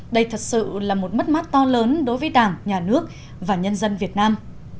đây thật sự là một mất mát to lớn đối với đảng nhà nước và nhân dân việt nam